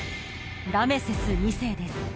ラメセス２世です